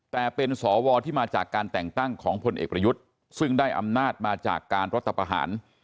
แต่เป็นสวที่มาจากการแต่งตั้งของพลเอกประยุทธ์ซึ่งได้อำนาจมาจากการรัฐประหาร